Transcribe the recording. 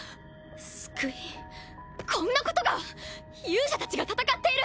こんなことが⁉勇者たちが戦っている。